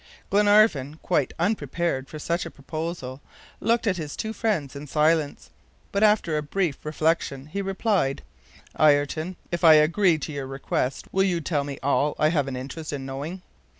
Glenarvan, quite unprepared for such a proposal, looked at his two friends in silence. But after a brief reflection, he replied: "Ayrton, if I agree to your request, you will tell me all I have an interest in knowing."